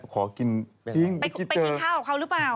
ไปกินข้าวของเขาหรือเปล่า